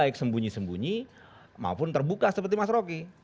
baik sembunyi sembunyi maupun terbuka seperti mas rocky